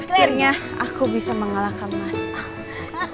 akhirnya aku bisa mengalahkan mas aku